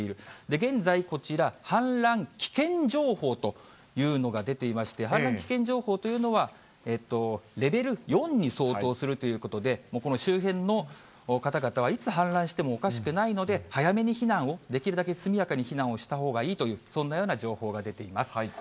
現在こちら、氾濫危険情報というのが出ていまして、氾濫危険情報というのは、レベル４に相当するということで、この周辺の方々は、いつ氾濫してもおかしくないので、早めに避難を、できるだけ速やかに避難をしたほうがいいという、そんなような情報が出ています。